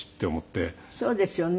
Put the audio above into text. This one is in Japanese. そうですよね。